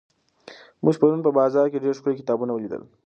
موږ پرون په بازار کې ډېر ښکلي کتابونه ولیدل.